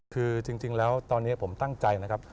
คือจริงแล้วตอนนี้ผมตั้งใจนะครับ